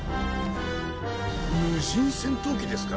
無人戦闘機ですか？